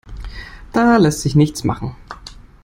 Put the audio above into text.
Da lässt sich nichts machen.